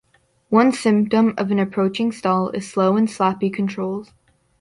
One symptom of an approaching stall is slow and sloppy controls.